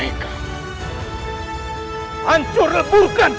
dan juga buat tuan pria bintang